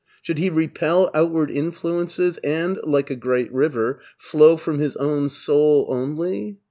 Should he repel outward influences and, like a great river, flow from his own soul only?